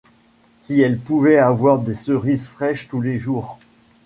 Si elle pouvait avoir des cerises fraîches tous les jours.